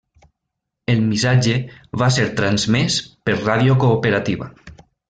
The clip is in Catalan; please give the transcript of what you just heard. El missatge va ser transmès per Ràdio Cooperativa.